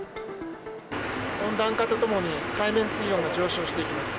温暖化とともに海面水温が上昇していきます。